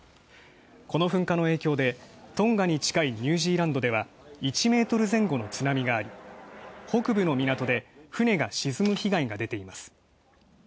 この噴火の影響でトンガに近いニュージーランドでは１メートル前後の津波があり、北部の港で船が沈む被害が出ています。